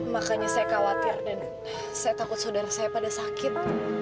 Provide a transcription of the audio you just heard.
makanya saya khawatir dan saya takut saudara saya pada sakit